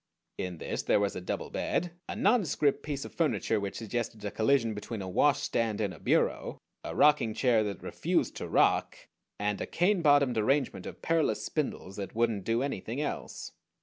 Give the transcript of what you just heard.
In this there was a double bed, a nondescript piece of furniture which suggested a collision between a washstand and a bureau, a rocking chair that refused to rock, and a cane bottomed arrangement of perilous spindles that wouldn't do anything else.